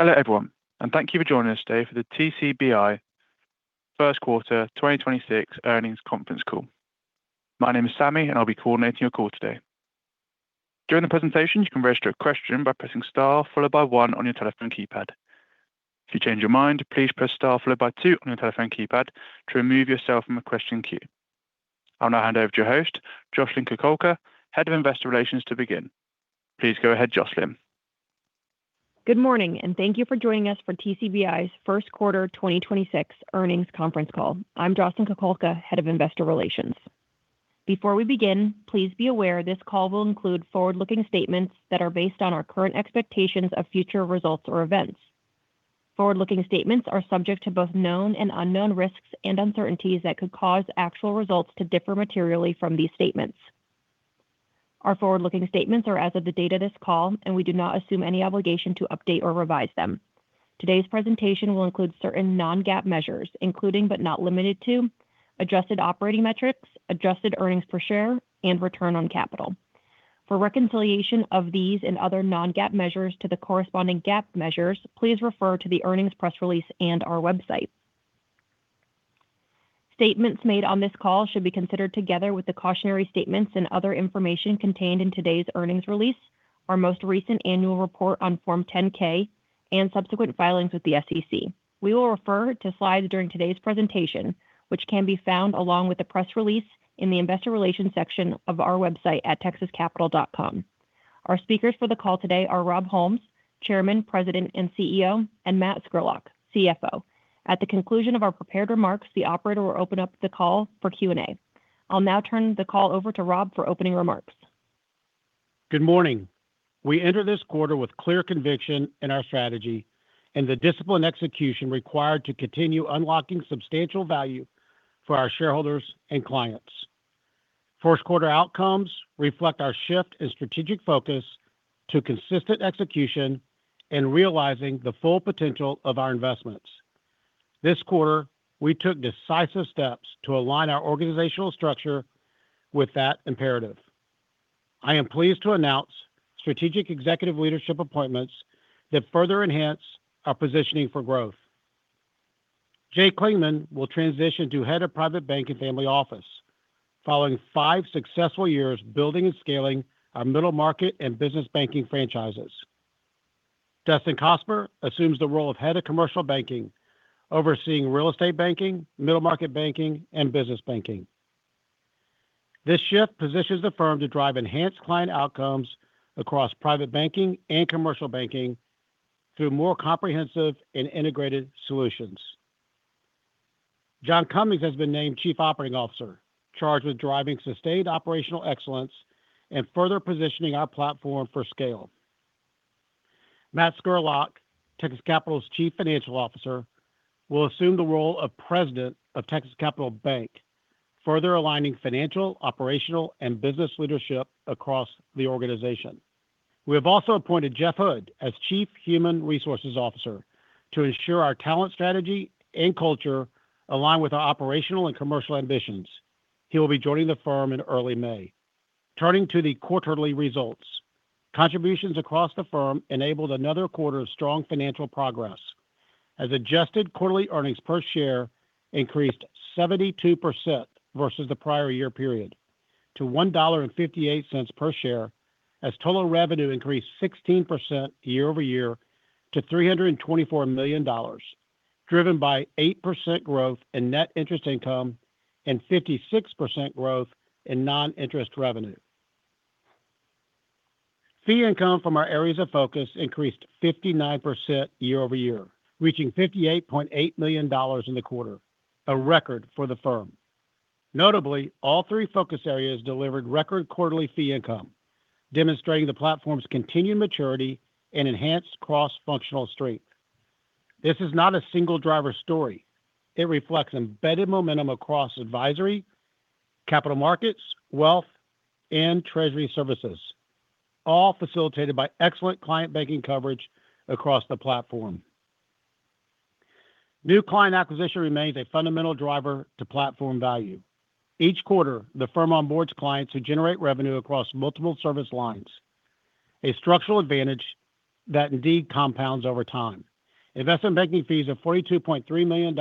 Hello, everyone, and thank you for joining us today for the TCBI first quarter 2026 earnings conference call. My name is Sammy, and I'll be coordinating your call today. During the presentation, you can register a question by pressing star followed by one on your telephone keypad. If you change your mind, please press star followed by two on your telephone keypad to remove yourself from the question queue. I'll now hand over to your host, Jocelyn Kukulka, Head of Investor Relations, to begin. Please go ahead, Jocelyn. Good morning, and thank you for joining us for TCBI's first quarter 2026 earnings conference call. I'm Jocelyn Kukulka, Head of Investor Relations. Before we begin, please be aware this call will include forward-looking statements that are based on our current expectations of future results or events. Forward-looking statements are subject to both known and unknown risks and uncertainties that could cause actual results to differ materially from these statements. Our forward-looking statements are as of the date of this call, and we do not assume any obligation to update or revise them. Today's presentation will include certain non-GAAP measures, including but not limited to adjusted operating metrics, adjusted earnings per share, and return on capital. For reconciliation of these and other non-GAAP measures to the corresponding GAAP measures, please refer to the earnings press release and our website. Statements made on this call should be considered together with the cautionary statements and other information contained in today's earnings release, our most recent annual report on Form 10-K, and subsequent filings with the SEC. We will refer to slides during today's presentation, which can be found along with the press release in the Investor Relations section of our website at texascapitalbank.com. Our speakers for the call today are Rob Holmes, Chairman, President, and CEO, and Matt Scurlock, CFO. At the conclusion of our prepared remarks, the operator will open up the call for Q&A. I'll now turn the call over to Rob for opening remarks. Good morning. We enter this quarter with clear conviction in our strategy and the disciplined execution required to continue unlocking substantial value for our shareholders and clients. First quarter outcomes reflect our shift in strategic focus to consistent execution and realizing the full potential of our investments. This quarter, we took decisive steps to align our organizational structure with that imperative. I am pleased to announce strategic executive leadership appointments that further enhance our positioning for growth. Jay Clingman will transition to head of Private Bank and Family Office following five successful years building and scaling our middle market and business banking franchises. Dustin Cosper assumes the role of head of Commercial Banking, overseeing real estate banking, middle market banking, and business banking. This shift positions the firm to drive enhanced client outcomes across private banking and commercial banking through more comprehensive and integrated solutions. John Cummings has been named Chief Operating Officer, charged with driving sustained operational excellence and further positioning our platform for scale. Matt Scurlock, Texas Capital's Chief Financial Officer, will assume the role of President of Texas Capital Bank, further aligning financial, operational, and business leadership across the organization. We have also appointed Jeff Hood as Chief Human Resources Officer to ensure our talent strategy and culture align with our operational and commercial ambitions. He will be joining the firm in early May. Turning to the quarterly results. Contributions across the firm enabled another quarter of strong financial progress, as adjusted quarterly earnings per share increased 72% versus the prior year period to $1.58 per share, as total revenue increased 16% year-over-year to $324 million, driven by 8% growth in net interest income and 56% growth in non-interest revenue. Fee income from our areas of focus increased 59% year-over-year, reaching $58.8 million in the quarter, a record for the firm. Notably, all three focus areas delivered record quarterly fee income, demonstrating the platform's continued maturity and enhanced cross-functional strength. This is not a single driver story. It reflects embedded momentum across advisory, capital markets, wealth, and treasury services, all facilitated by excellent client banking coverage across the platform. New client acquisition remains a fundamental driver to platform value. Each quarter, the firm onboards clients who generate revenue across multiple service lines, a structural advantage that indeed compounds over time. Investment banking fees of $42.3 million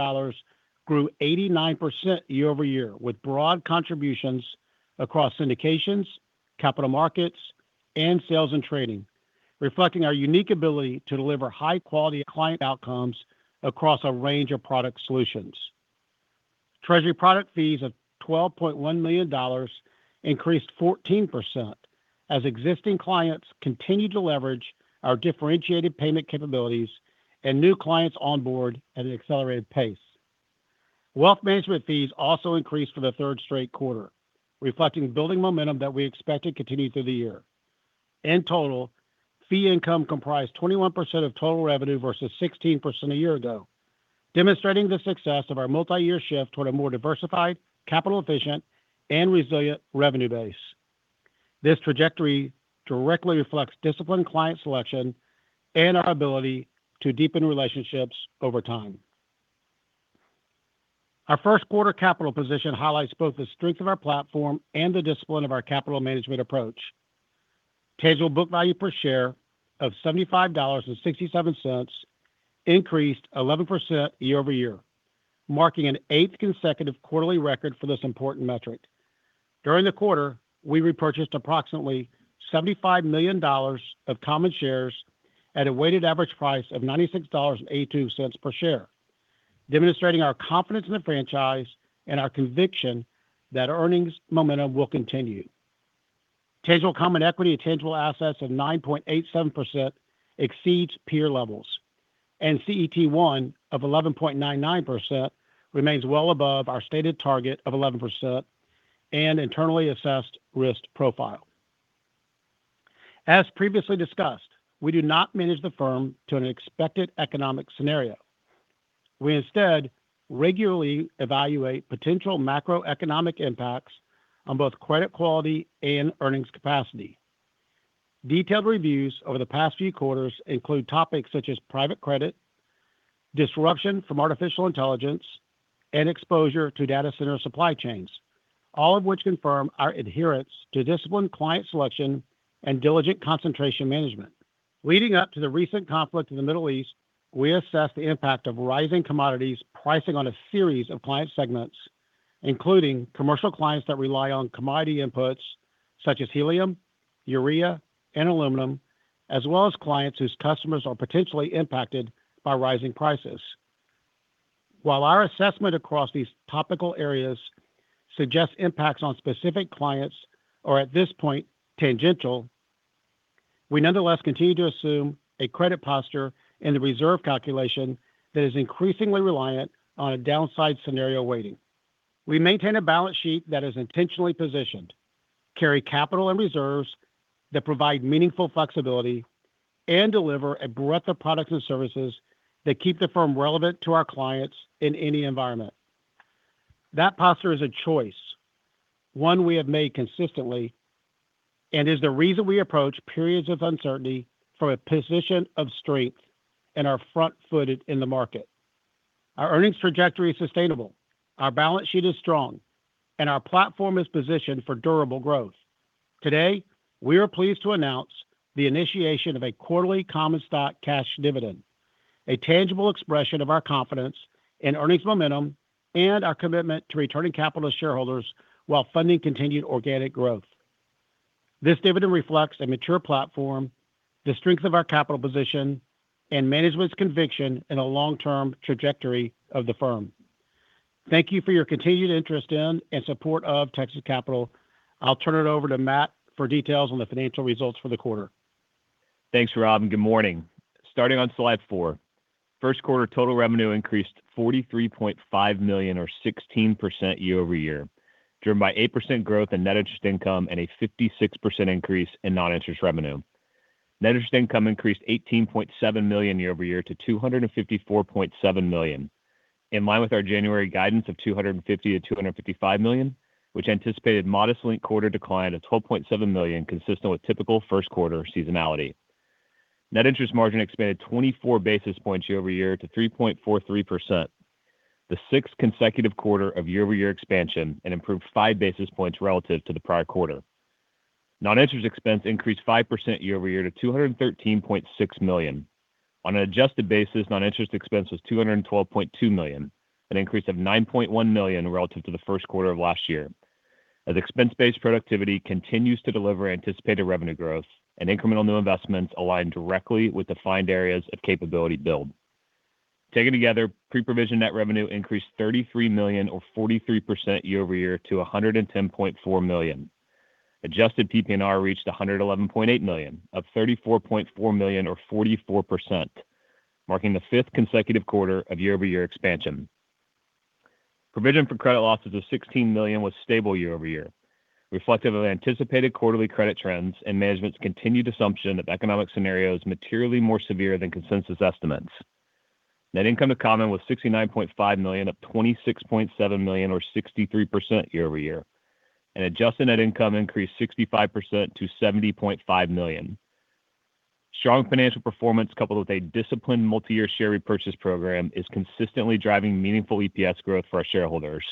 grew 89% year-over-year, with broad contributions across syndications, capital markets, and sales and trading, reflecting our unique ability to deliver high-quality client outcomes across a range of product solutions. Treasury product fees of $12.1 million increased 14%, as existing clients continued to leverage our differentiated payment capabilities and new clients onboard at an accelerated pace. Wealth management fees also increased for the third straight quarter, reflecting building momentum that we expect to continue through the year. In total, fee income comprised 21% of total revenue versus 16% a year ago, demonstrating the success of our multi-year shift toward a more diversified, capital-efficient, and resilient revenue base. This trajectory directly reflects disciplined client selection and our ability to deepen relationships over time. Our first quarter capital position highlights both the strength of our platform and the discipline of our capital management approach. Tangible book value per share of $75.67 increased 11% year over year, marking an eighth consecutive quarterly record for this important metric. During the quarter, we repurchased approximately $75 million of common shares at a weighted average price of $96.82 per share, demonstrating our confidence in the franchise and our conviction that earnings momentum will continue. Tangible common equity to tangible assets of 9.87% exceeds peer levels, and CET1 of 11.99% remains well above our stated target of 11% and internally assessed risk profile. As previously discussed, we do not manage the firm to an expected economic scenario. We instead regularly evaluate potential macroeconomic impacts on both credit quality and earnings capacity. Detailed reviews over the past few quarters include topics such as private credit, disruption from artificial intelligence, and exposure to data center supply chains, all of which confirm our adherence to disciplined client selection and diligent concentration management. Leading up to the recent conflict in the Middle East, we assessed the impact of rising commodities pricing on a series of client segments, including commercial clients that rely on commodity inputs such as helium, urea, and aluminum, as well as clients whose customers are potentially impacted by rising prices. While our assessment across these topical areas suggests impacts on specific clients are at this point tangential, we nonetheless continue to assume a credit posture in the reserve calculation that is increasingly reliant on a downside scenario weighting. We maintain a balance sheet that is intentionally positioned, carry capital and reserves that provide meaningful flexibility, and deliver a breadth of products and services that keep the firm relevant to our clients in any environment. That posture is a choice, one we have made consistently, and is the reason we approach periods of uncertainty from a position of strength and are front-footed in the market. Our earnings trajectory is sustainable, our balance sheet is strong, and our platform is positioned for durable growth. Today, we are pleased to announce the initiation of a quarterly common stock cash dividend, a tangible expression of our confidence in earnings momentum and our commitment to returning capital to shareholders while funding continued organic growth. This dividend reflects a mature platform, the strength of our capital position, and management's conviction in a long-term trajectory of the firm. Thank you for your continued interest in and support of Texas Capital. I'll turn it over to Matt for details on the financial results for the quarter. Thanks, Rob, and good morning. Starting on slide four, first quarter total revenue increased $43.5 million or 16% year-over-year, driven by 8% growth in net interest income and a 56% increase in non-interest revenue. Net interest income increased $18.7 million year-over-year to $254.7 million, in line with our January guidance of $250-$255 million, which anticipated modest quarterly decline of $12.7 million consistent with typical first quarter seasonality. Net interest margin expanded 24 basis points year-over-year to 3.43%, the sixth consecutive quarter of year-over-year expansion, and improved five basis points relative to the prior quarter. Non-interest expense increased 5% year-over-year to $213.6 million. On an adjusted basis, non-interest expense was $212.2 million, an increase of $9.1 million relative to the first quarter of last year. As expense-based productivity continues to deliver anticipated revenue growth and incremental new investments align directly with defined areas of capability build. Taken together, pre-provision net revenue increased $33 million or 43% year-over-year to $110.4 million. Adjusted PPNR reached $111.8 million, up $34.4 million or 44%, marking the fifth consecutive quarter of year-over-year expansion. Provision for credit losses of $16 million was stable year-over-year, reflective of anticipated quarterly credit trends and management's continued assumption of economic scenarios materially more severe than consensus estimates. Net income to common was $69.5 million, up $26.7 million or 63% year-over-year, and adjusted net income increased 65% to $70.5 million. Strong financial performance coupled with a disciplined multi-year share repurchase program is consistently driving meaningful EPS growth for our shareholders.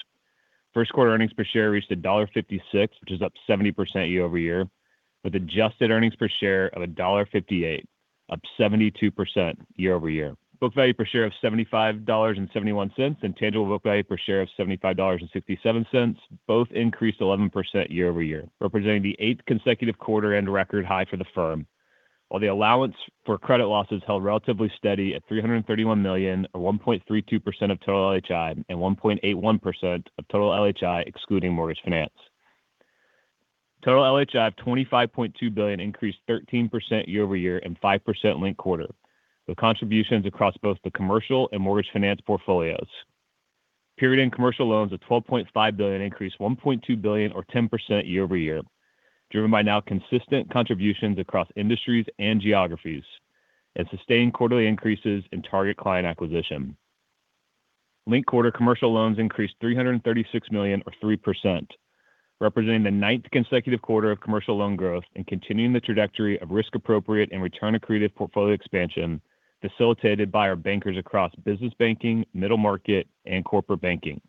First quarter earnings per share reached $1.56, which is up 70% year-over-year, with adjusted earnings per share of $1.58, up 72% year-over-year. Book value per share of $75.71 and tangible book value per share of $75.67 both increased 11% year-over-year, representing the eighth consecutive quarter and record high for the firm. While the allowance for credit losses held relatively steady at $331 million, or 1.32% of total LHI and 1.81% of total LHI excluding mortgage finance. Total LHI of $25.2 billion increased 13% year-over-year and 5% linked-quarter, with contributions across both the commercial and mortgage finance portfolios. Period-end commercial loans of $12.5 billion increased $1.2 billion or 10% year-over-year, driven by now consistent contributions across industries and geographies, and sustained quarterly increases in target client acquisition. Linked-quarter commercial loans increased $336 million or 3%. Representing the ninth consecutive quarter of commercial loan growth and continuing the trajectory of risk-appropriate and return accretive portfolio expansion facilitated by our bankers across business banking, middle market, and corporate banking.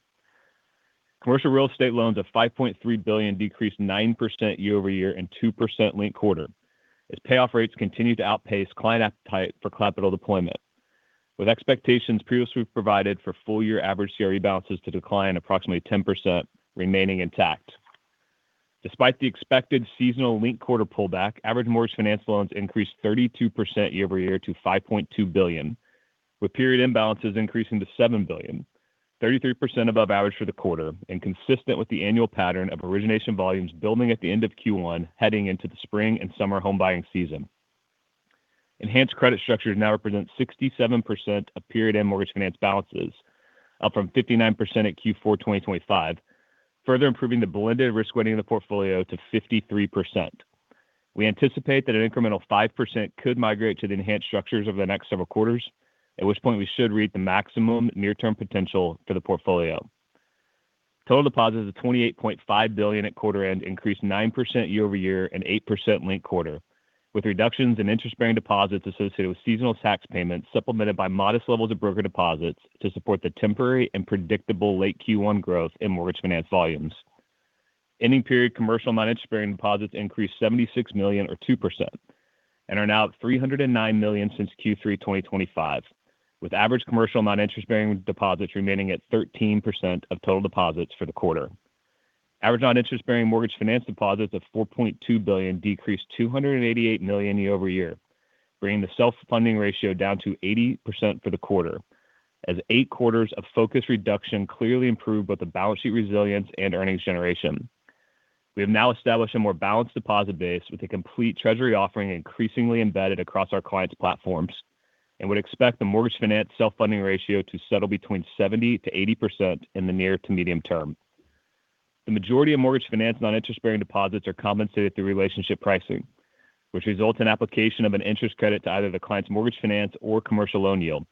Commercial real estate loans of $5.3 billion decreased 9% year-over-year and 2% linked-quarter, as payoff rates continue to outpace client appetite for capital deployment. With expectations previously provided for full-year average CRE balances to decline approximately 10%, remaining intact. Despite the expected seasonal linked-quarter pullback, average mortgage finance loans increased 32% year-over-year to $5.2 billion, with period-end balances increasing to $7 billion, 33% above average for the quarter and consistent with the annual pattern of origination volumes building at the end of Q1 heading into the spring and summer home buying season. Enhanced credit structures now represent 67% of period-end mortgage finance balances, up from 59% at Q4 2025, further improving the blended risk weighting of the portfolio to 53%. We anticipate that an incremental 5% could migrate to the enhanced structures over the next several quarters, at which point we should reach the maximum near-term potential for the portfolio. Total deposits of $28.5 billion at quarter-end increased 9% year-over-year and 8% linked-quarter, with reductions in interest-bearing deposits associated with seasonal tax payments supplemented by modest levels of broker deposits to support the temporary and predictable late Q1 growth in mortgage finance volumes. Ending period commercial non-interest-bearing deposits increased $76 million or 2% and are now at $309 million since Q3 2025, with average commercial non-interest-bearing deposits remaining at 13% of total deposits for the quarter. Average non-interest-bearing mortgage finance deposits of $4.2 billion decreased $288 million year-over-year, bringing the self-funding ratio down to 80% for the quarter as eight quarters of focused reduction clearly improved both the balance sheet resilience and earnings generation. We have now established a more balanced deposit base with a complete treasury offering increasingly embedded across our clients' platforms and would expect the mortgage finance self-funding ratio to settle between 70%-80% in the near to medium term. The majority of mortgage finance non-interest-bearing deposits are compensated through relationship pricing, which results in application of an interest credit to either the client's mortgage finance or commercial loan yield.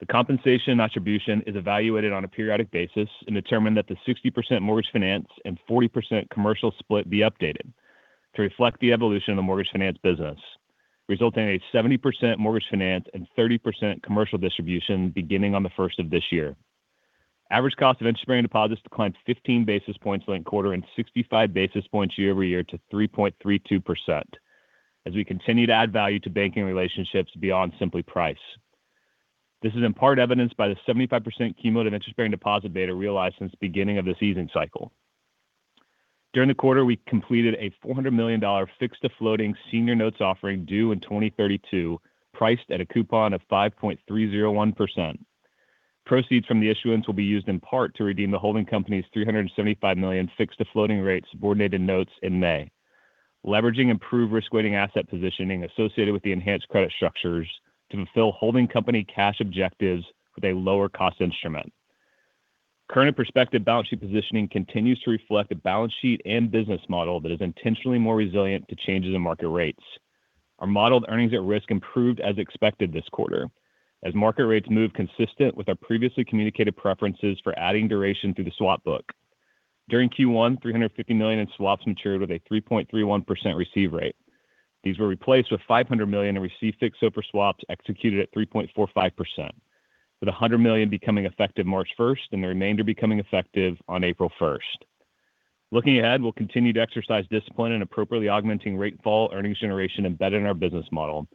The compensation attribution is evaluated on a periodic basis and determined that the 60% mortgage finance and 40% commercial split be updated to reflect the evolution of the mortgage finance business, resulting in a 70% mortgage finance and 30% commercial distribution beginning on the first of this year. Average cost of interest-bearing deposits declined 15 basis points linked quarter and 65 basis points year-over-year to 3.32% as we continue to add value to banking relationships beyond simply price. This is in part evidenced by the 75% cumulative interest-bearing deposit beta realized since the beginning of the cycle. During the quarter, we completed a $400 million fixed-to-floating senior notes offering due in 2032, priced at a coupon of 5.301%. Proceeds from the issuance will be used in part to redeem the holding company's $375 million fixed-to-floating rate subordinated notes in May. Leveraging improved risk-weighting asset positioning associated with the enhanced credit structures to fulfill holding company cash objectives with a lower cost instrument. Current and prospective balance sheet positioning continues to reflect a balance sheet and business model that is intentionally more resilient to changes in market rates. Our modeled earnings at risk improved as expected this quarter as market rates moved consistent with our previously communicated preferences for adding duration through the swap book. During Q1, $350 million in swaps matured with a 3.31% receive rate. These were replaced with $500 million in receive fixed SOFR swaps executed at 3.45%, with $100 million becoming effective March 1st and the remainder becoming effective on April 1st. Looking ahead, we'll continue to exercise discipline in appropriately augmenting rate fall earnings generation embedded in our business model.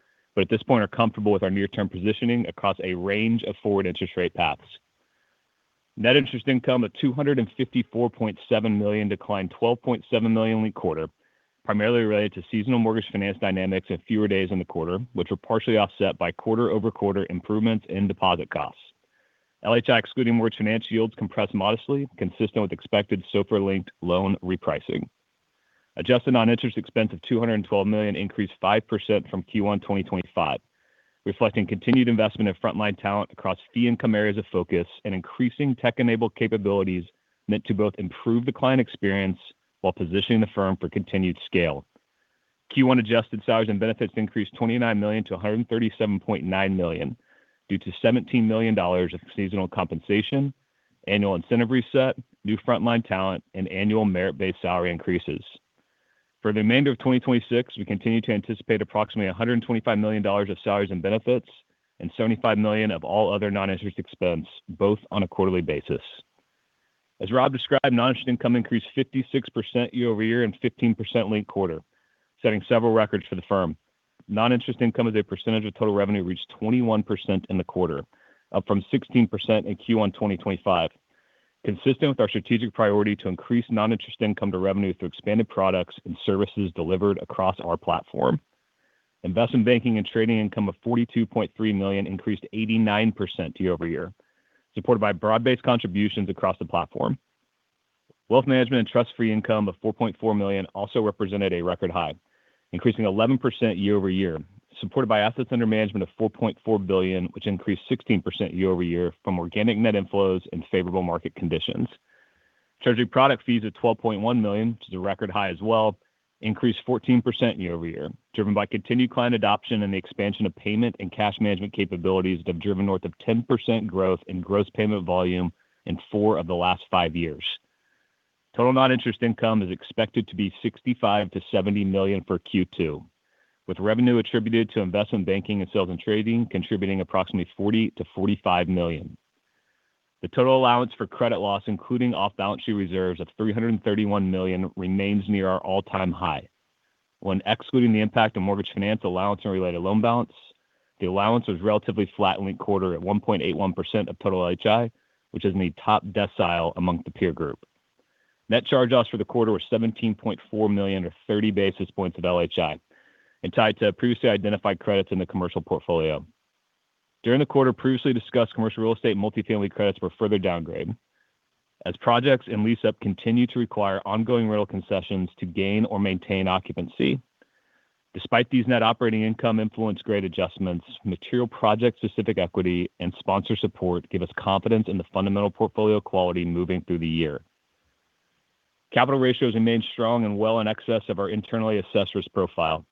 At this point, we are comfortable with our near-term positioning across a range of forward interest rate paths. Net interest income of $254.7 million declined $12.7 million linked quarter, primarily related to seasonal mortgage finance dynamics and fewer days in the quarter, which were partially offset by quarter-over-quarter improvements in deposit costs. LHI excluding mortgage finance yields compressed modestly, consistent with expected SOFR-linked loan repricing. Adjusted non-interest expense of $212 million increased 5% from Q1 2025, reflecting continued investment in frontline talent across fee income areas of focus and increasing tech-enabled capabilities meant to both improve the client experience while positioning the firm for continued scale. Q1 adjusted salaries and benefits increased $29 million-$137.9 million due to $17 million of seasonal compensation, annual incentive reset, new frontline talent, and annual merit-based salary increases. For the remainder of 2026, we continue to anticipate approximately $125 million of salaries and benefits and $75 million of all other non-interest expense, both on a quarterly basis. As Rob described, non-interest income increased 56% year-over-year and 15% linked quarter, setting several records for the firm. Non-interest income as a percentage of total revenue reached 21% in the quarter, up from 16% in Q1 2025. Consistent with our strategic priority to increase non-interest income to revenue through expanded products and services delivered across our platform. Investment banking and trading income of $42.3 million increased 89% year-over-year, supported by broad-based contributions across the platform. Wealth management and trust fee income of $4.4 million also represented a record high, increasing 11% year-over-year, supported by assets under management of $4.4 billion, which increased 16% year-over-year from organic net inflows and favorable market conditions. Treasury product fees of $12.1 million to the record high as well increased 14% year-over-year, driven by continued client adoption and the expansion of payment and cash management capabilities that have driven north of 10% growth in gross payment volume in four of the last five years. Total non-interest income is expected to be $65 million-$70 million for Q2, with revenue attributed to investment banking and sales and trading contributing approximately $40 million-$45 million. The total allowance for credit loss, including off-balance sheet reserves of $331 million, remains near our all-time high. When excluding the impact of mortgage finance allowance and related loan balance, the allowance was relatively flat linked quarter at 1.81% of total LHI, which is in the top decile among the peer group. Net charge-offs for the quarter were $17.4 million, or 30 basis points of LHI, and tied to previously identified credits in the commercial portfolio. During the quarter, previously discussed commercial real estate multifamily credits were further downgraded as projects in lease-up continue to require ongoing rental concessions to gain or maintain occupancy. Despite these net operating income-influenced grade adjustments, material project-specific equity and sponsor support give us confidence in the fundamental portfolio quality moving through the year. Capital ratios remained strong and well in excess of our internally assessed profile,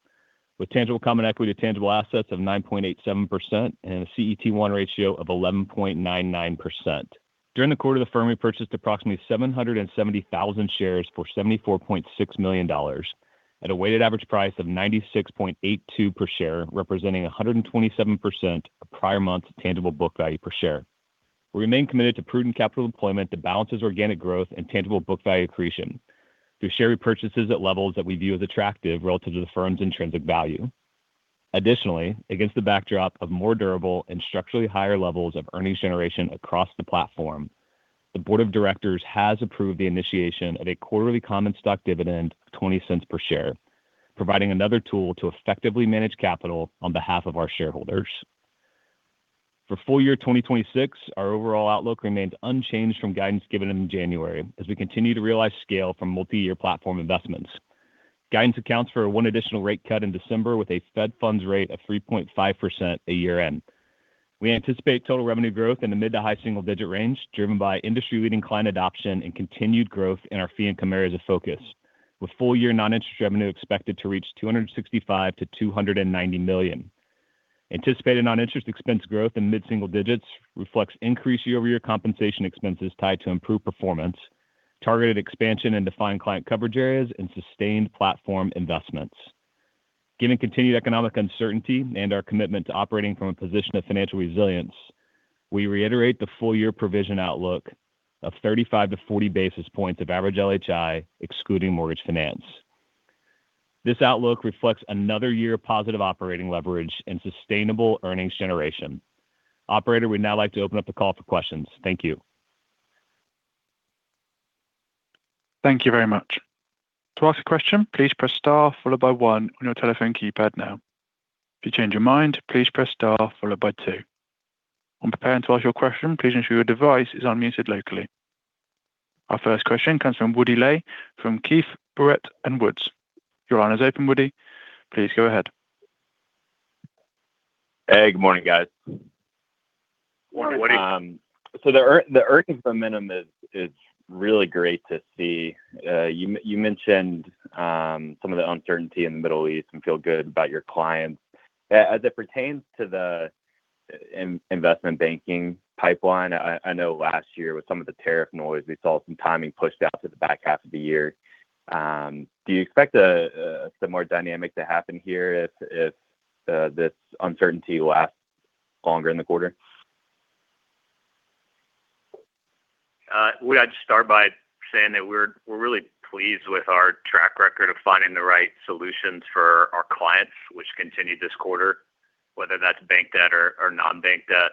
with tangible common equity to tangible assets of 9.87% and a CET1 ratio of 11.99%. During the quarter, the firm repurchased approximately 770,000 shares for $74.6 million at a weighted average price of $96.82 per share, representing 127% of prior month's tangible book value per share. We remain committed to prudent capital employment that balances organic growth and tangible book value accretion through share repurchases at levels that we view as attractive relative to the firm's intrinsic value. Additionally, against the backdrop of more durable and structurally higher levels of earnings generation across the platform, the board of directors has approved the initiation of a quarterly common stock dividend of $0.20 per share, providing another tool to effectively manage capital on behalf of our shareholders. For full year 2026, our overall outlook remains unchanged from guidance given in January as we continue to realize scale from multi-year platform investments. Guidance accounts for one additional rate cut in December with a Fed funds rate of 3.5% at year-end. We anticipate total revenue growth in the mid-to-high single-digit range, driven by industry-leading client adoption and continued growth in our fee income areas of focus, with full-year non-interest revenue expected to reach $265 million-$290 million. Anticipated non-interest expense growth in mid-single digits reflects increase year-over-year compensation expenses tied to improved performance, targeted expansion into defined client coverage areas, and sustained platform investments. Given continued economic uncertainty and our commitment to operating from a position of financial resilience, we reiterate the full-year provision outlook of 35 basis points-40 basis points of average LHI excluding mortgage finance. This outlook reflects another year of positive operating leverage and sustainable earnings generation. Operator, we'd now like to open up the call for questions. Thank you. Thank you very much. To ask a question, please press star followed by one on your telephone keypad now. If you change your mind, please press star followed by two. When preparing to ask your question, please ensure your device is unmuted locally. Our first question comes from Woody Lay from Keefe, Bruyette & Woods. Your line is open, Woody. Please go ahead. Hey, Good morning, guys. Morning, Woody. The earnings momentum is really great to see. You mentioned some of the uncertainty in the Middle East and feel good about your clients. As it pertains to the investment banking pipeline, I know last year with some of the tariff noise, we saw some timing pushed out to the back half of the year. Do you expect a similar dynamic to happen here if this uncertainty lasts longer in the quarter? Woody, I'd start by saying that we're really pleased with our track record of finding the right solutions for our clients, which continued this quarter, whether that's bank debt or non-bank debt.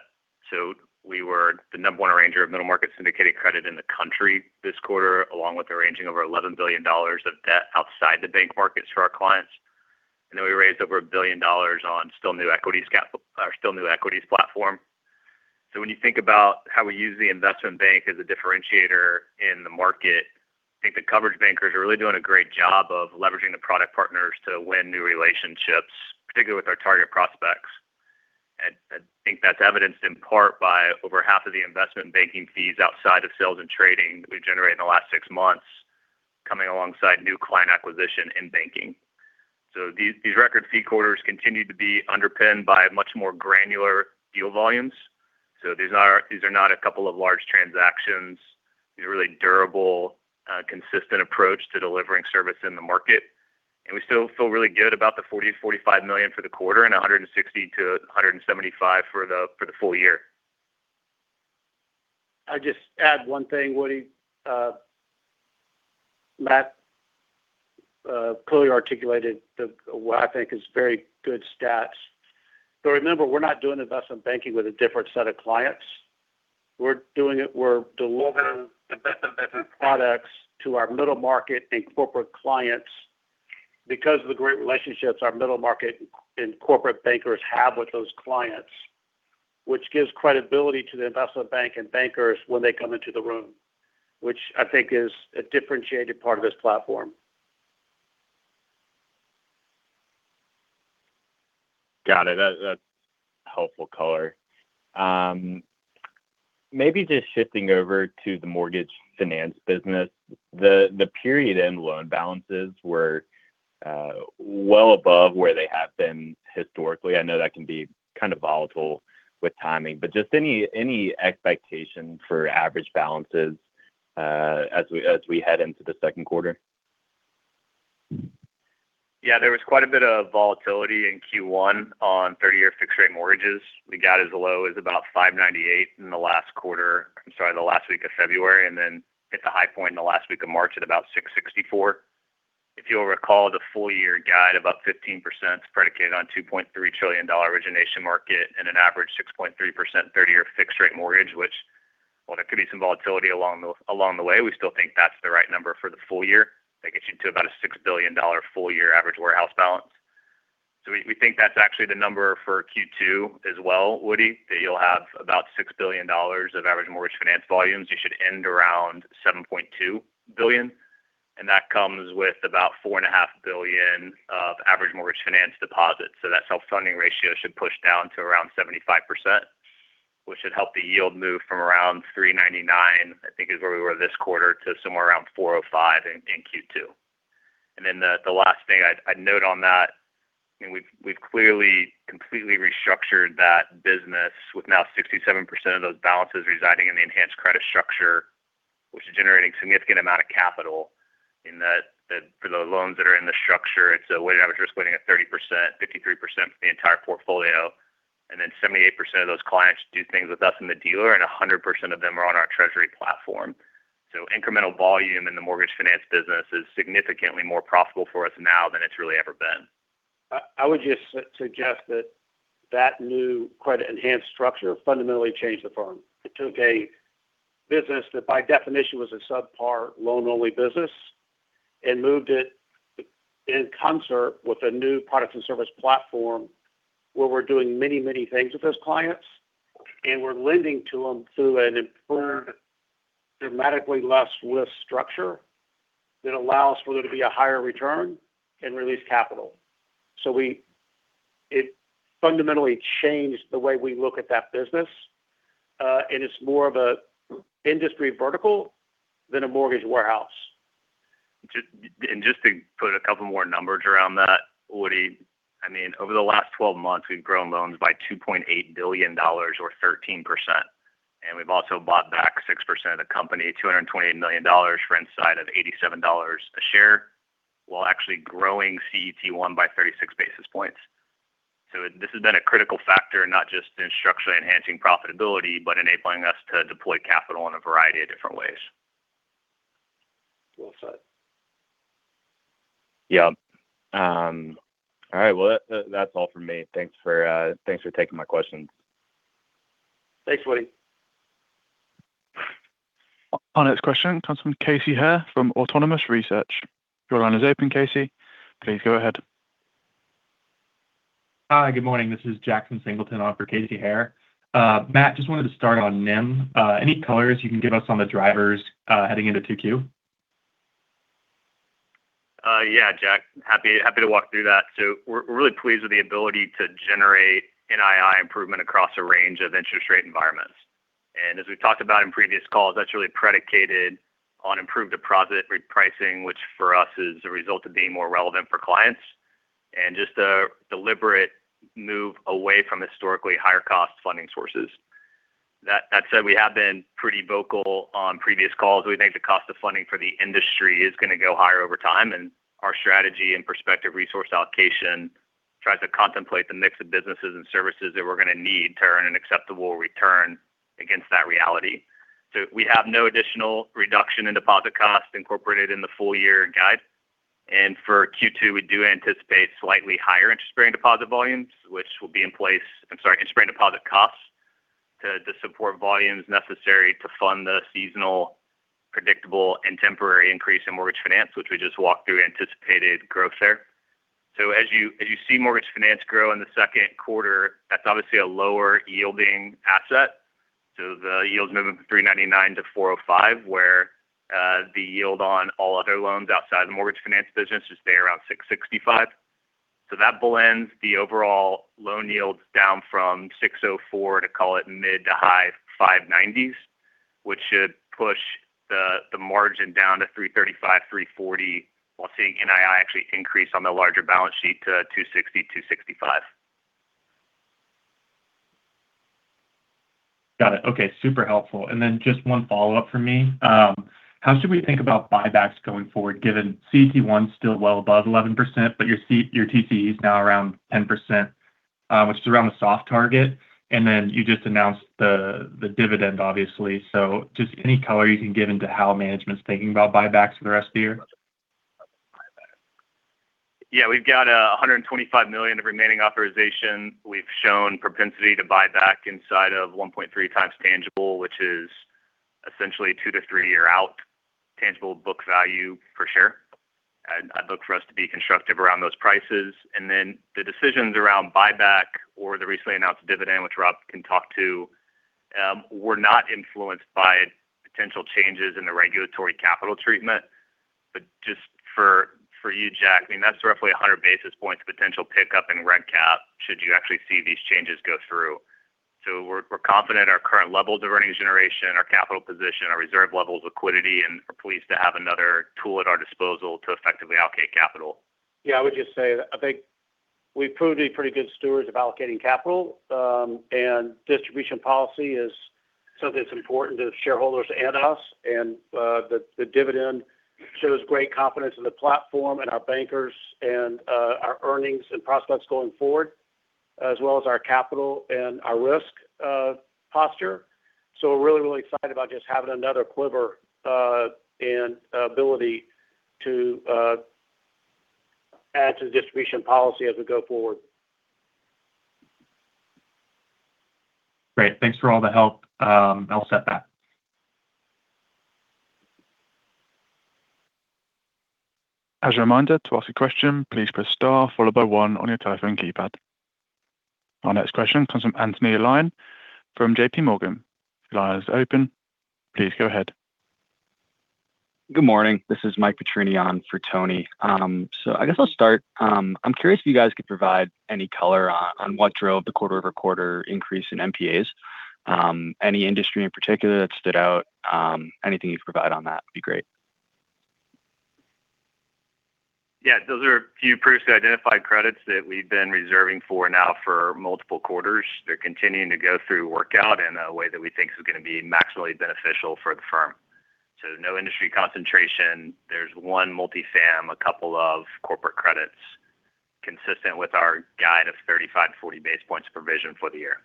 We were the number one arranger of middle market syndicated credit in the country this quarter, along with arranging over $11 billion of debt outside the bank markets for our clients. We raised over $1 billion on our still new equities platform. When you think about how we use the investment bank as a differentiator in the market, I think the coverage bankers are really doing a great job of leveraging the product partners to win new relationships, particularly with our target prospects. I think that's evidenced in part by over half of the investment banking fees outside of sales and trading that we generated in the last six months coming alongside new client acquisition in banking. These record fee quarters continue to be underpinned by much more granular deal volumes. These are not a couple of large transactions, these are really durable, consistent approach to delivering service in the market. We still feel really good about the $40 million-$45 million for the quarter and $160 million-$175 million for the full year. I'd just add one thing, Woody. Matt clearly articulated what I think is very good stats. Remember, we're not doing investment banking with a different set of clients. We're doing it, we're delivering investment banking products to our middle market and corporate clients because of the great relationships our middle market and corporate bankers have with those clients, which gives credibility to the investment bank and bankers when they come into the room, which I think is a differentiated part of this platform. Got it. That's helpful color. Maybe just shifting over to the mortgage finance business. The period-end loan balances were well above where they have been historically. I know that can be kind of volatile with timing, but just any expectation for average balances as we head into the second quarter? Yeah. There was quite a bit of volatility in Q1 on 30-year fixed rate mortgages. We got as low as about 5.98 in the last week of February, and then hit the high point in the last week of March at about 6.64. If you'll recall, the full year guide, about 15%, predicated on $2.3 trillion origination market and an average 6.3% thirty-year fixed rate mortgage, which while there could be some volatility along the way, we still think that's the right number for the full year. That gets you to about a $6 billion full year average warehouse balance. We think that's actually the number for Q2 as well, Woody, that you'll have about $6 billion of average mortgage finance volumes. You should end around $7.2 billion, and that comes with about $4.5 billion of average mortgage finance deposits. That self-funding ratio should push down to around 75%, which should help the yield move from around 399, I think is where we were this quarter, to somewhere around 405 in Q2. The last thing I'd note on that, we've clearly completely restructured that business with now 67% of those balances residing in the enhanced credit structure, which is generating significant amount of capital for the loans that are in the structure. It's a weighted average risk weighting of 30%, 53% for the entire portfolio. 78% of those clients do things with us in the dealer, and 100% of them are on our treasury platform. Incremental volume in the mortgage finance business is significantly more profitable for us now than it's really ever been. I would just suggest that new credit enhanced structure fundamentally changed the firm. It took a business that by definition was a subpar loan-only business and moved it in concert with a new product and service platform where we're doing many things with those clients and we're lending to them through an improved, dramatically less risk structure that allows for there to be a higher return and release capital. So it fundamentally changed the way we look at that business. It's more of an industry vertical than a mortgage warehouse. Just to put a couple more numbers around that, Woody, over the last 12 months, we've grown loans by $2.8 billion or 13%, and we've also bought back 6% of the company, $228 million, for inside of $87 a share, while actually growing CET1 by 36 basis points. This has been a critical factor, not just in structurally enhancing profitability, but enabling us to deploy capital in a variety of different ways. Well said. Yeah. All right. Well, that's all from me. Thanks for taking my questions. Thanks, Woody. Our next question comes from Casey Haire from Autonomous Research. Your line is open, Casey. Please go ahead. Hi, good morning. This is Jackson Singleton on for Casey Haire. Matt, just wanted to start on NIM. Any colors you can give us on the drivers heading into 2Q? Yeah, Jack. Happy to walk through that. We're really pleased with the ability to generate NII improvement across a range of interest rate environments. As we've talked about in previous calls, that's really predicated on improved deposit repricing, which for us is a result of being more relevant for clients and just a deliberate move away from historically higher cost funding sources. That said, we have been pretty vocal on previous calls. We think the cost of funding for the industry is going to go higher over time, and our strategy and prospective resource allocation tries to contemplate the mix of businesses and services that we're going to need to earn an acceptable return against that reality. We have no additional reduction in deposit cost incorporated in the full year guide. For Q2, we do anticipate slightly higher interest-bearing deposit costs to support volumes necessary to fund the seasonal, predictable, and temporary increase in mortgage finance, which we just walked through anticipated growth there. As you see mortgage finance grow in the second quarter, that's obviously a lower yielding asset. The yield's moving from $399 million-$405 million, where the yield on all other loans outside the mortgage finance business should stay around 665. That blends the overall loan yields down from $604 million to call it mid-to-high $590s, which should push the margin down to $335 million-$340 million, while seeing NII actually increase on the larger balance sheet to $260 million-$265 million. Got it. Okay, super helpful. Then just one follow-up from me. How should we think about buybacks going forward, given CET1's still well above 11%, but your TCE is now around 10%, which is around the soft target. Then you just announced the dividend, obviously. Just any color you can give on how management's thinking about buybacks for the rest of the year? Yeah. We've got $125 million of remaining authorization. We've shown propensity to buy back inside of 1.3x tangible, which is essentially two-three-year-out tangible book value per share. I'd look for us to be constructive around those prices. The decisions around buyback or the recently announced dividend, which Rob can talk to, were not influenced by potential changes in the regulatory capital treatment. Just for you, Jack, that's roughly 100 basis points of potential pickup in reg cap should you actually see these changes go through. We're confident our current levels of earnings generation, our capital position, our reserve levels, liquidity, and we're pleased to have another tool at our disposal to effectively allocate capital. Yeah, I would just say that I think we've proved to be pretty good stewards of allocating capital. Distribution policy is something that's important to shareholders and us. The dividend shows great confidence in the platform and our bankers and our earnings and prospects going forward, as well as our capital and our risk posture. We're really, really excited about just having another quiver and ability to add to the distribution policy as we go forward. Great. Thanks for all the help. I'll set that. Our next question comes from Anthony Elian from JPMorgan. Your line is open. Please go ahead. Good morning. This is Michael Petrino for Tony. I guess I'll start. I'm curious if you guys could provide any color on what drove the quarter-over-quarter increase in MPAs. Any industry in particular that stood out? Anything you can provide on that would be great. Yeah. Those are a few previously identified credits that we've been reserving for now for multiple quarters. They're continuing to go through workout in a way that we think is going to be maximally beneficial for the firm. No industry concentration. There's one multi-fam, a couple of corporate credits consistent with our guide of 35 basis points-40 basis points provision for the year.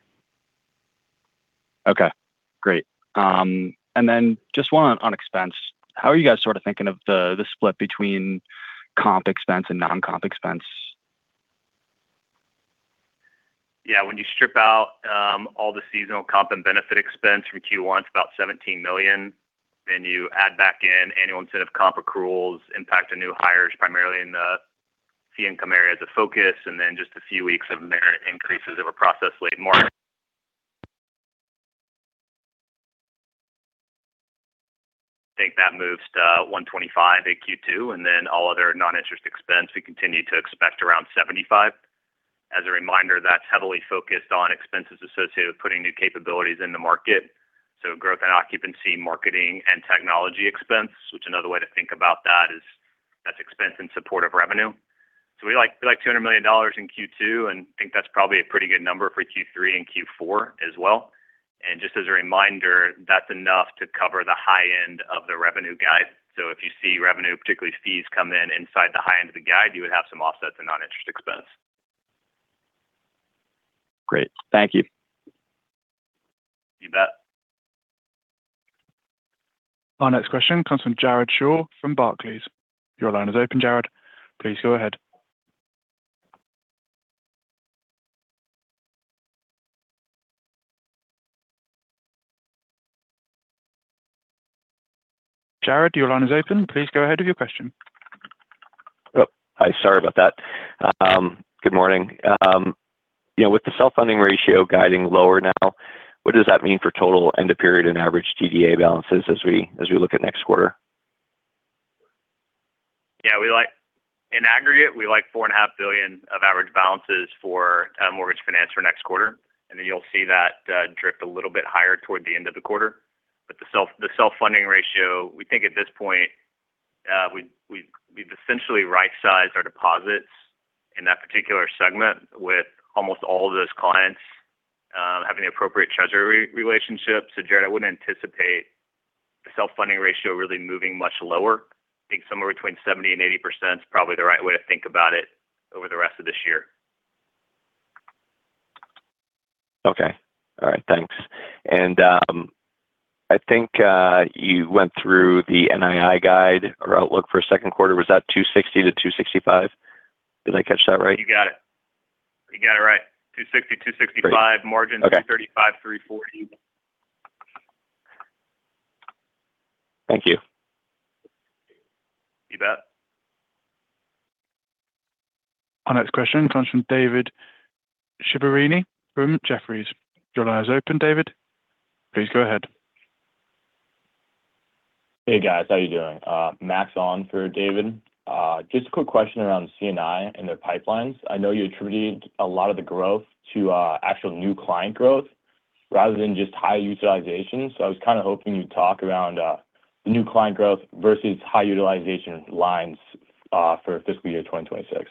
Okay, great. Just one on expense. How are you guys sort of thinking of the split between comp expense and non-comp expense? Yeah. When you strip out all the seasonal comp and benefit expense from Q1, it's about $17 million. You add back in annual incentive comp accruals, impact of new hires, primarily in the fee income area as a focus, and then just a few weeks of merit increases that were processed late in March. I think that moves to $125 million in Q2, and all other non-interest expense, we continue to expect around $75 million. As a reminder, that's heavily focused on expenses associated with putting new capabilities in the market. Growth and occupancy, marketing, and technology expense, which another way to think about that is that's expense in support of revenue. We like $200 million in Q2 and think that's probably a pretty good number for Q3 and Q4 as well. Just as a reminder, that's enough to cover the high end of the revenue guide. If you see revenue, particularly fees, come in inside the high end of the guide, you would have some offsets in non-interest expense. Great. Thank you. You bet. Our next question comes from Jared Shaw from Barclays. Your line is open, Jared. Please go ahead. Jared, your line is open. Please go ahead with your question. Oh, hi. Sorry about that. Good morning. With the self-funding ratio guiding lower now, what does that mean for total end of period and average TDA balances as we look at next quarter? Yeah, in aggregate, we like $4.5 billion of average balances for mortgage finance for next quarter. Then you'll see that drift a little bit higher toward the end of the quarter. The self-funding ratio, we think at this point, we've essentially right-sized our deposits in that particular segment with almost all of those clients having the appropriate treasury relationships. Jared, I wouldn't anticipate the self-funding ratio really moving much lower. I think somewhere between 70% and 80% is probably the right way to think about it over the rest of this year. Okay. All right, thanks. I think you went through the NII guide or outlook for second quarter. Was that $260 million-$265 million? Did I catch that right? You got it right. $260 million-$265 million margin Okay. 335, 340. Thank you. You bet. Our next question comes from David Sibilia from Jefferies. Your line is open, David. Please go ahead. Hey, guys. How are you doing? Max on for David. Just a quick question around C&I and their pipelines. I know you attributed a lot of the growth to actual new client growth rather than just high utilization. I was kind of hoping you'd talk around new client growth versus high utilization lines for fiscal year 2026.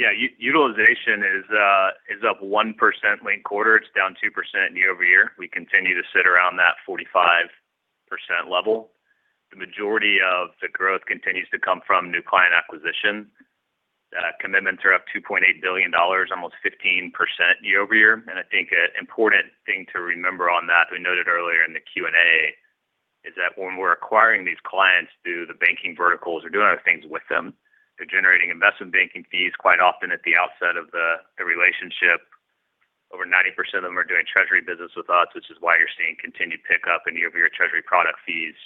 Yeah. Utilization is up 1% linked quarter. It's down 2% year-over-year. We continue to sit around that 45% level. The majority of the growth continues to come from new client acquisition. Commitments are up $2.8 billion, almost 15% year-over-year. I think an important thing to remember on that, we noted earlier in the Q&A, is that when we're acquiring these clients through the banking verticals or doing other things with them, they're generating investment banking fees quite often at the outset of the relationship. Over 90% of them are doing treasury business with us, which is why you're seeing continued pickup in year-over-year treasury product fees.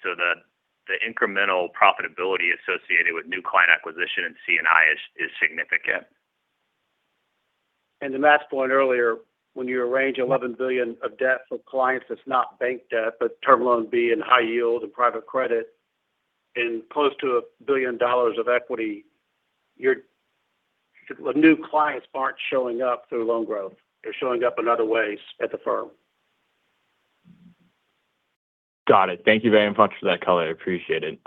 The incremental profitability associated with new client acquisition in C&I is significant. To Max's point earlier, when you arrange $11 billion of debt for clients that's not bank debt, but Term Loan B and high yield and private credit. Close to $1 billion of equity. Your new clients aren't showing up through loan growth. They're showing up in other ways at the firm. Got it. Thank you very much for that color. I appreciate it.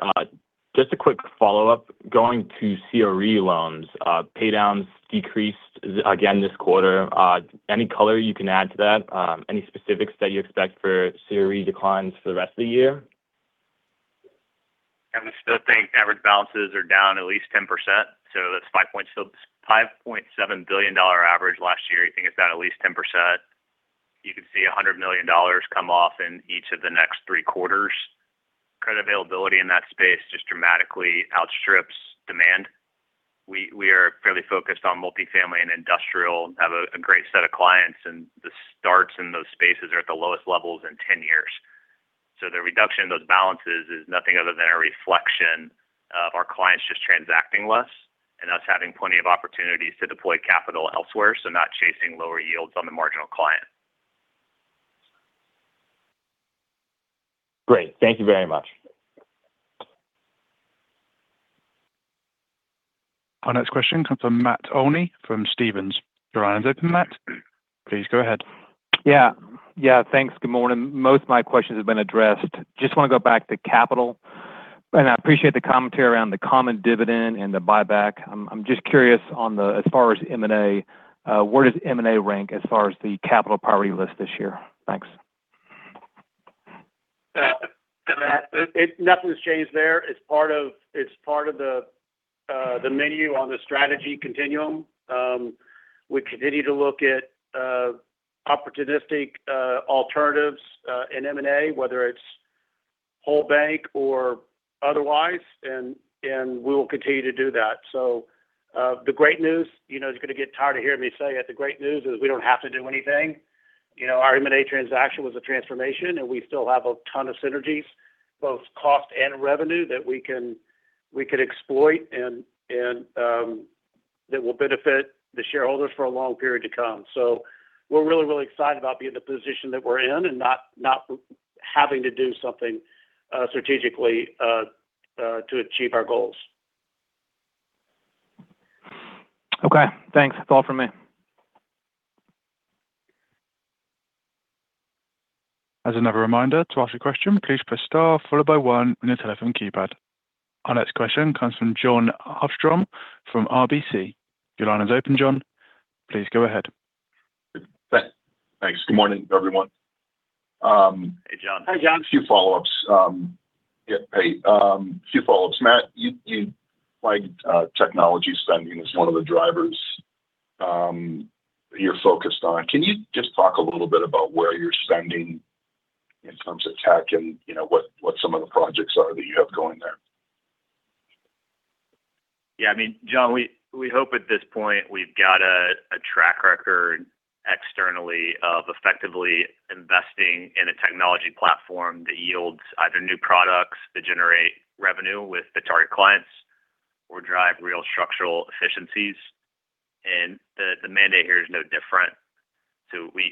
Just a quick follow-up. Going to CRE loans, paydowns decreased again this quarter. Any color you can add to that? Any specifics that you expect for CRE declines for the rest of the year? We still think average balances are down at least 10%, so that's $5.7 billion average last year. I think it's down at least 10%. You could see $100 million come off in each of the next three quarters. Credit availability in that space just dramatically outstrips demand. We are fairly focused on multi-family and industrial, have a great set of clients, and the starts in those spaces are at the lowest levels in 10 years. The reduction in those balances is nothing other than a reflection of our clients just transacting less and us having plenty of opportunities to deploy capital elsewhere, so not chasing lower yields on the marginal client. Great. Thank you very much. Our next question comes from Matt Olney from Stephens. Your line is open, Matt. Please go ahead. Yeah. Thanks. Good morning. Most of my questions have been addressed. Just want to go back to capital. I appreciate the commentary around the common dividend and the buyback. I'm just curious on the, as far as M&A, where does M&A rank as far as the capital priority list this year? Thanks. Matt, nothing has changed there. It's part of the menu on the strategy continuum. We continue to look at opportunistic alternatives in M&A, whether it's whole bank or otherwise, and we will continue to do that. The great news, you're going to get tired of hearing me say it, the great news is we don't have to do anything. Our M&A transaction was a transformation, and we still have a ton of synergies, both cost and revenue that we could exploit and that will benefit the shareholders for a long period to come. We're really, really excited about being in the position that we're in and not having to do something strategically to achieve our goals. Okay. Thanks. That's all from me. As another reminder, to ask a question, please press star followed by one on your telephone keypad. Our next question comes from John Armstrong from RBC. Your line is open, John. Please go ahead. Thanks. Good morning, everyone. Hey, John. Hi, John. Yeah, hey. A few follow-ups. Matt, you flagged technology spending as one of the drivers you're focused on. Can you just talk a little bit about where you're spending in terms of tech and what some of the projects are that you have going there? Yeah, John, we hope at this point we've got a track record externally of effectively investing in a technology platform that yields either new products that generate revenue with the target clients or drive real structural efficiencies. The mandate here is no different.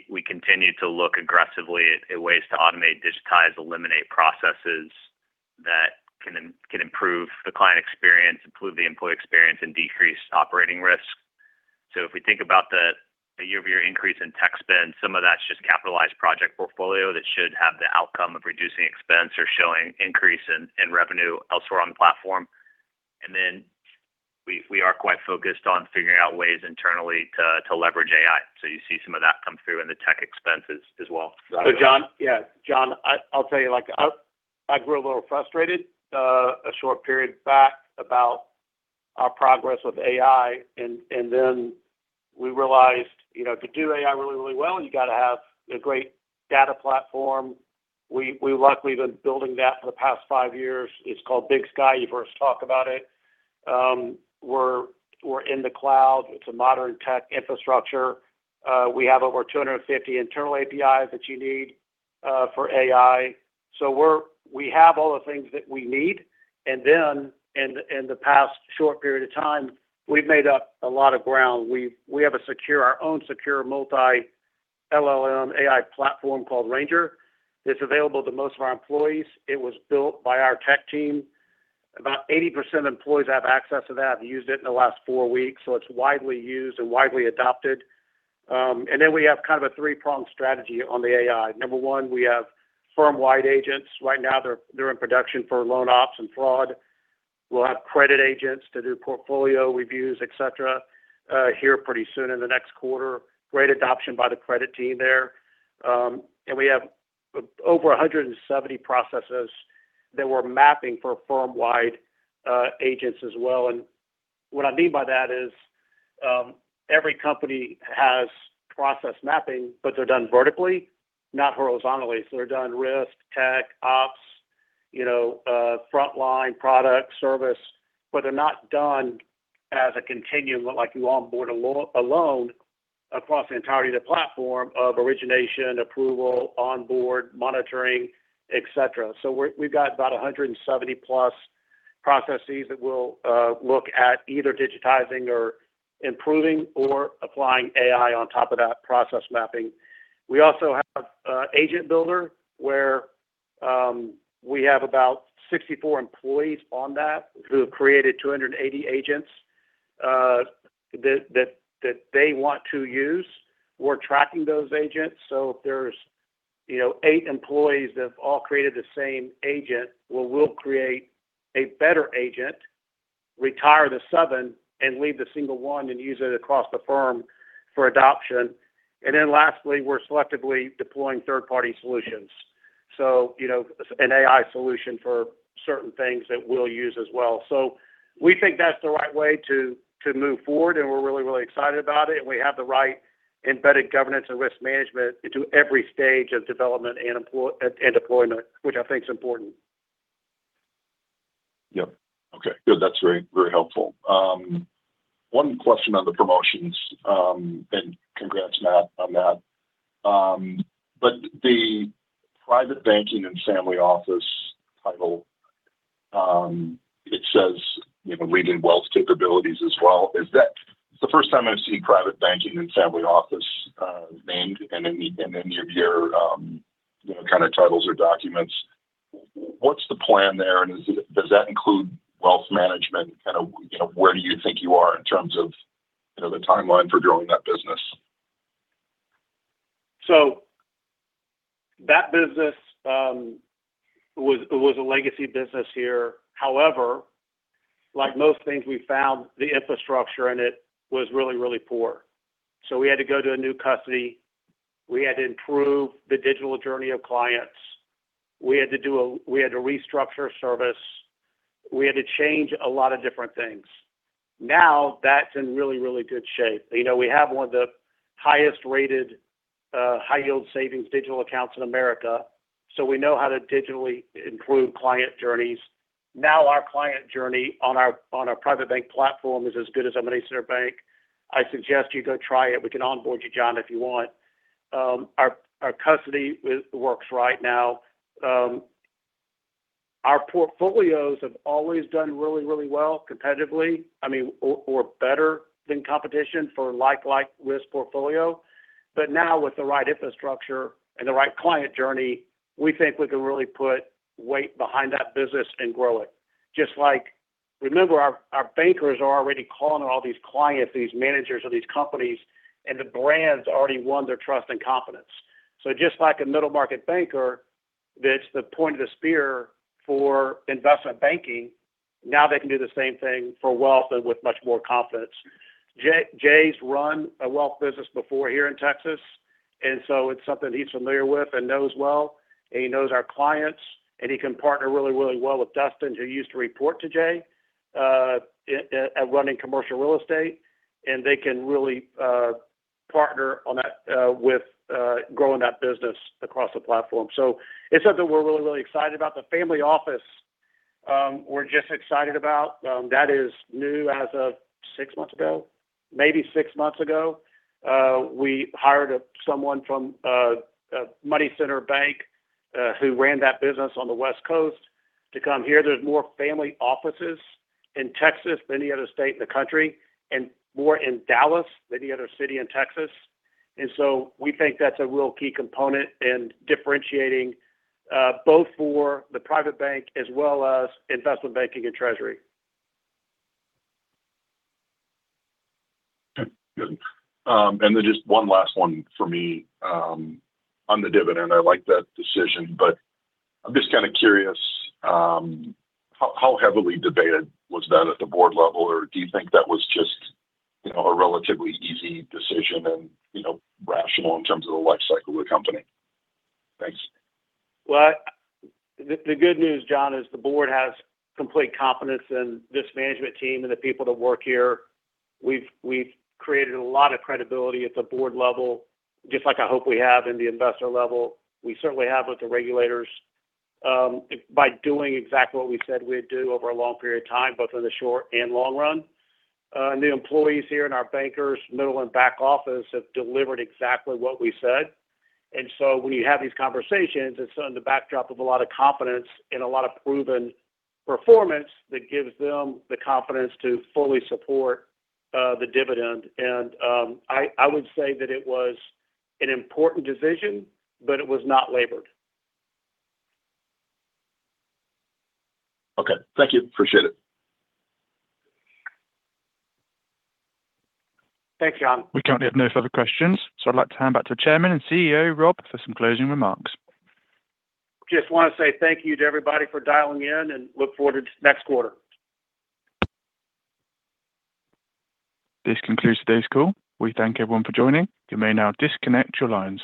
We continue to look aggressively at ways to automate, digitize, eliminate processes that can improve the client experience, improve the employee experience, and decrease operating risk. If we think about the year-over-year increase in tech spend, some of that's just capitalized project portfolio that should have the outcome of reducing expense or showing increase in revenue elsewhere on the platform. Then we are quite focused on figuring out ways internally to leverage AI. You see some of that come through in the tech expenses as well. John, I'll tell you, I grew a little frustrated a short period back about our progress with AI, and then we realized to do AI really, really well, you got to have a great data platform. We luckily have been building that for the past five years. It's called Big Sky. We first talked about it. We're in the cloud. It's a modern tech infrastructure. We have over 250 internal APIs that you need for AI. So we have all the things that we need. And then in the past short period of time, we've made up a lot of ground. We have our own secure multi-LLM AI platform called Ranger. It's available to most of our employees. It was built by our tech team. About 80% of employees have access to that, have used it in the last four weeks, so it's widely used and widely adopted. We have kind of a three-pronged strategy on the AI. Number one, we have firm-wide agents. Right now they're in production for loan ops and fraud. We'll have credit agents to do portfolio reviews, et cetera, here pretty soon in the next quarter. Great adoption by the credit team there. We have over 170 processes that we're mapping for firm-wide agents as well. What I mean by that is every company has process mapping, but they're done vertically, not horizontally. They're done risk, tech, ops, frontline, product, service, but they're not done as a continuum like you onboard a loan across the entirety of the platform of origination, approval, onboard, monitoring, et cetera. We've got about 170+ processes that we'll look at either digitizing or improving or applying AI on top of that process mapping. We also have Agent Builder, where we have about 64 employees on that who have created 280 agents that they want to use. We're tracking those agents, so if there's eight employees that have all created the same agent, well, we'll create a better agent, retire the seven, and leave the single one and use it across the firm for adoption. Lastly, we're selectively deploying third-party solutions. An AI solution for certain things that we'll use as well. We think that's the right way to move forward, and we're really excited about it. We have the right embedded governance and risk management into every stage of development and deployment, which I think is important. Yep. Okay, good. That's very helpful. One question on the promotions, and congrats, Matt, on that. The Private Banking and Family Office title, it says leading wealth capabilities as well. It's the first time I've seen Private Banking and Family Office named in any of your titles or documents. What's the plan there? And does that include wealth management? Where do you think you are in terms of the timeline for growing that business? That business was a legacy business here. However, like most things, we found the infrastructure in it was really poor. We had to go to a new custody. We had to improve the digital journey of clients. We had to restructure a service. We had to change a lot of different things. Now that's in really good shape. We have one of the highest-rated high-yield savings digital accounts in America, so we know how to digitally improve client journeys. Now our client journey on our private bank platform is as good as a money center bank. I suggest you go try it. We can onboard you, John, if you want. Our custody works right now. Our portfolios have always done really well competitively. I mean, or better than competition for like risk portfolio. Now with the right infrastructure and the right client journey, we think we can really put weight behind that business and grow it. Just like, remember our bankers are already calling all these clients, these managers of these companies, and the brand's already won their trust and confidence. Just like a middle-market banker, that's the point of the spear for investment banking. Now they can do the same thing for wealth and with much more confidence. Jay's run a wealth business before here in Texas, and so it's something he's familiar with and knows well, and he knows our clients, and he can partner really well with Dustin, who used to report to Jay at running commercial real estate. And they can really partner on that with growing that business across the platform. It's something we're really excited about. The family office, we're just excited about. That is new as of six months ago. Maybe six months ago, we hired someone from money center bank who ran that business on the West Coast to come here. There's more family offices in Texas than any other state in the country, and more in Dallas than any other city in Texas. We think that's a real key component in differentiating both for the private bank as well as investment banking and treasury. Good. Then just one last one for me. On the dividend, I like that decision, but I'm just kind of curious, how heavily debated was that at the board level? Or do you think that was just a relatively easy decision and rational in terms of the life cycle of the company? Thanks. Well, the good news, John, is the board has complete confidence in this management team and the people that work here. We've created a lot of credibility at the board level, just like I hope we have in the investor level. We certainly have with the regulators, by doing exactly what we said we'd do over a long period of time, both in the short and long run. New employees here in our bankers, middle, and back office have delivered exactly what we said. When you have these conversations, it's in the backdrop of a lot of confidence and a lot of proven performance that gives them the confidence to fully support the dividend. I would say that it was an important decision, but it was not labored. Okay. Thank you. Appreciate it. Thanks, John. We currently have no further questions, so I'd like to hand back to Chairman and CEO, Rob Holmes, for some closing remarks. Just want to say thank you to everybody for dialing in, and look forward to next quarter. This concludes today's call. We thank everyone for joining. You may now disconnect your lines.